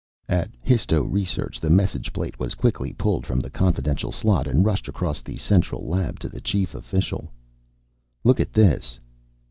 At histo research the message plate was quickly pulled from the confidential slot and rushed across the central lab to the chief official. "Look at this!"